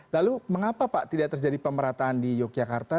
lalu mengapa pak tidak terjadi pemerataan di yogyakarta